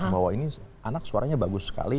bahwa ini anak suaranya bagus sekali